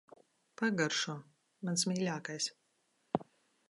Pagaršo. Mans mīļākais.